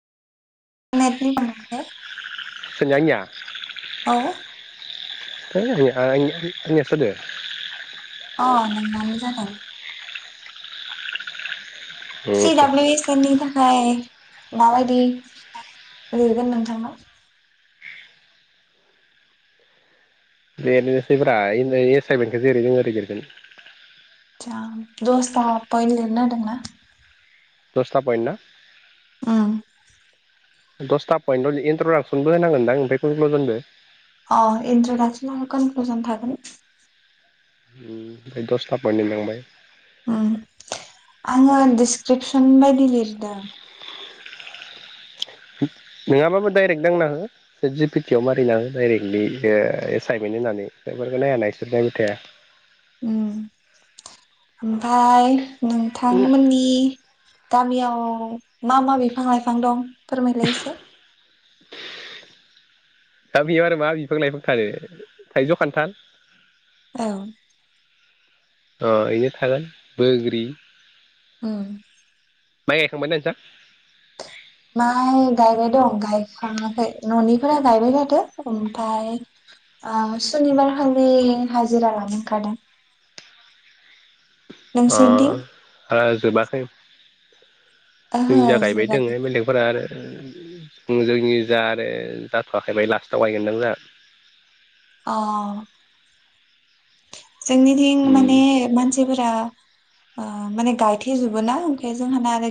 [unintelligible] सोरनि आंनिया औ [unintelligible] अ नोंनानो जादों । सि उम डाब्लिउ इसनि थाखाय माबायदि लिरगोन नोंथांना । बेनोसैब्रा एनो एसाआइ मेथखो जेरै दो‌ ओरै लिरगोन । आत्सा दसथा फयेन लिरनो होदोंमोन ना दसथा फयेन ना उम दसथा पयेथआव इन्ट्रदाक्सनबो होनांगोनदां ओमफ्राय कुनक्लजनबो अ इन्ट्रडक्सन कनक्लुसन थागोन ओम ओमफाय दसथा फयेथ लिरनांबाय । उम आङो डिसक्रिपसन बायदि लिरदों । नङाबाबो डायरेक्ट दांना‌ हो जिपिटिआव मारिना हो डाइरेक्टलि ओ एसाइमेन्ट होननानै बेफोरखौ नाया ना इसोर नायबाय थाया । उम ओमफाय नोंथांमोननि गामियाव मा मा बिफां लाइफां दं । फोरमायलाय एसे दा बेयाव आरो मा बिफां लाइफां थानो थाइजौ खान्थाल औ ओ इनो थागोन बोग्रि ओं माइ गायखांबायना नोंस्रा माइ गायबाय दं गायखांआखै न'निफोरा गायबाय थादो ओमफाय ओ सुनिबार खालि हाजिरा लानो ओंखारादों । अ नोंसोरनिथिं ओ जोबाखै ओहो जोंजा गायबाय जोबाखै दोङो बेलेगफोरा आरो उम जों जोंनि जा आरो जाथ'वाखै बा लास्टआव गायगोनदां जाहा अ जोंनिथिं माने जोंहा मानसिफोरा ओ माने गायथे जुबो ना ओंखाय जोंहाना आरो